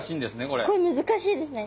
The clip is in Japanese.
これ難しいですね。